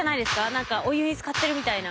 何かお湯につかってるみたいな。